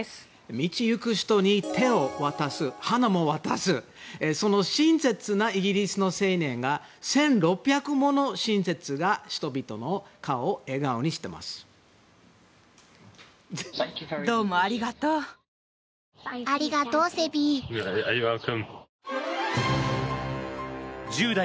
道行く人にペンを渡す花も渡すその親切なイギリスの青年の１６００もの親切が人々の顔を笑顔にしています。